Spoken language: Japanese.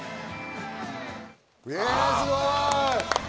すごい！